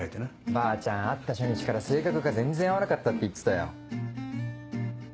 ばあちゃん会った初日から性格が全然合わなかったって言ってたよ。